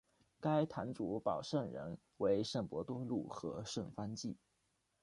该堂主保圣人为圣伯多禄和圣方济。